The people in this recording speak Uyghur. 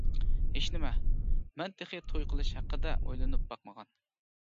ھېچنېمە؟ مەن تېخى توي قىلىش ھەققىدە ئويلىنىپ باقمىغان.